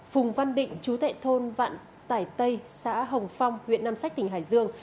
phùng văn định chú tại thôn vạn tải tây xã hồng phong huyện nam sách tỉnh hải dương